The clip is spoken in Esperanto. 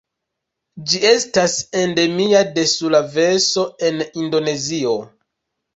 Ĝi estas endemia de Sulaveso en Indonezio.